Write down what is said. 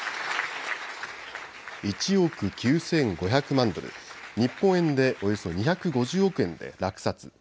１億９５００万ドル、日本円でおよそ２５０億円で落札。